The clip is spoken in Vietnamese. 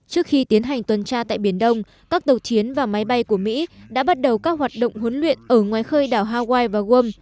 trước khi tiến hành tuần tra tại biển đông các tàu chiến và máy bay của mỹ đã bắt đầu các hoạt động huấn luyện ở ngoài khơi đảo hawaii và wam